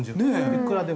いくらでも。